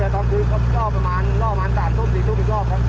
ต้องชดเล๊าประมาณแลกมาสามจุ่มสี่จุ่มอีกรอบครับ